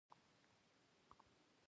د هغې په زړه کې خواخوږي نغښتي وه